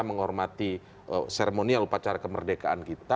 menghormati seremoni alupacara kemerdekaan kita